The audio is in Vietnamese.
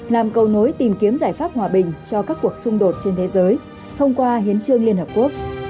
làm cầu nối tìm kiếm giải pháp hòa bình cho các cuộc xung đột trên thế giới thông qua hiến trương liên hợp quốc